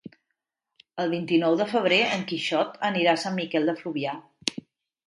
El vint-i-nou de febrer en Quixot anirà a Sant Miquel de Fluvià.